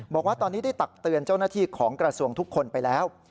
บอกว่าตอนนี้ได้ตักเตือนเจ้าหน้าที่ของกระทรวงทุกคนไปแล้ว